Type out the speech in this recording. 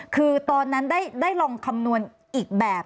คือตอนนั้นได้ลองคำนวณอีกแบบ